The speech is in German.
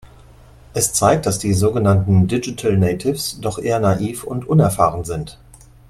Es zeigt, dass die sogenannten Digital Natives doch eher naiv und unerfahren sind.